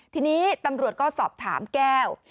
ทีนี้ตำรวจก็สอบถามแก้ว